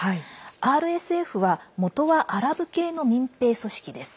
ＲＳＦはもとはアラブ系の民兵組織です。